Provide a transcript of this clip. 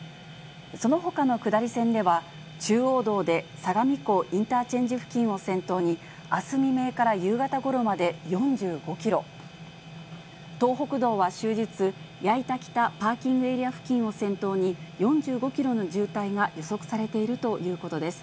そのほかの下り線では、中央道で相模湖インターチェンジ付近を先頭に、あす未明から夕方ごろまで４５キロ、東北道は終日、矢板北パーキングエリア付近を先頭に４５キロの渋滞が予測されているということです。